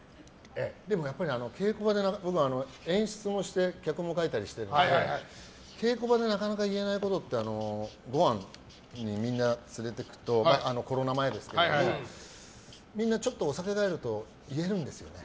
でもやっぱり演出もして脚本も書いたりしてるので稽古場でなかなか言えないことってごはんにみんな連れていくとコロナ前ですけどみんなちょっとお酒が入ると言えるんですよね。